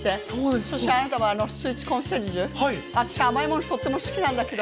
そしてあなたはスイーツコンシェルジュ、私、甘いものとっても好きなんだけど。